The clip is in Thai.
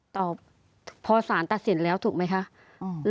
ตอบภอสารตัดสินแล้วถูกไหมคะอือ